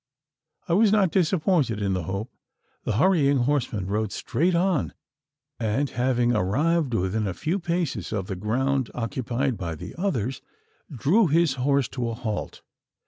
I was not disappointed in the hope. The hurrying horseman rode straight on; and, having arrived within a few paces of the ground occupied by the others, drew his horse to a halt.